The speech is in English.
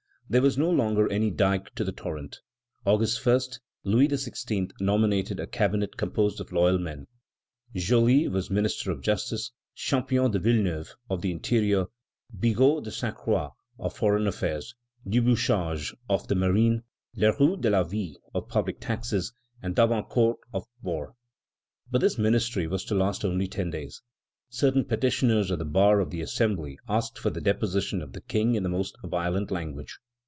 There was no longer any dike to the torrent. August 1, Louis XVI. nominated a cabinet composed of loyal men: Joly was Minister of Justice; Champion de Villeneuve, of the Interior; Bigot de Sainte Croix, of Foreign Affairs; Du Bouchage, of the Marine; Leroux de la Ville, of Public Taxes; and D'Abancourt, of War. But this ministry was to last only ten days. Certain petitioners at the bar of the Assembly asked for the deposition of the King in most violent language.